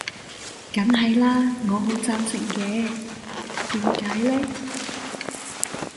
梗係啦，我好贊成嘅，點解呢